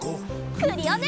クリオネ！